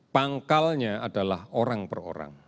pangkalnya adalah orang per orang